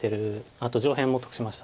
あと上辺も得しました。